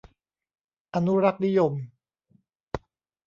อนุรักษ์นิยม